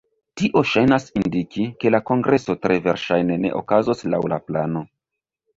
Tio ŝajnas indiki, ke la kongreso tre verŝajne ne okazos laŭ la plano.